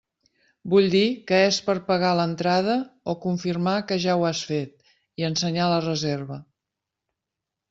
Vull dir que és per pagar l'entrada o confirmar que ja ho has fet i ensenyar la reserva.